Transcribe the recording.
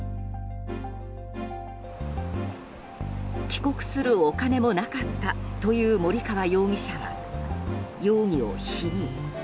帰国するお金もなかったという森川容疑者は容疑を否認。